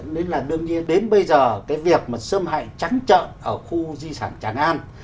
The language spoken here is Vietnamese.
nên là đương nhiên đến bây giờ cái việc mà xâm hại trắng chợ ở khu di sản tràng an